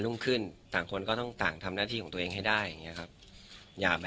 เวลาเราทะเลากัน